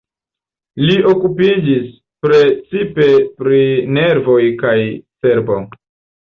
Li okupiĝis precipe pri nervoj kaj cerbo.